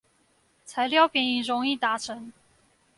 材料便宜容易達成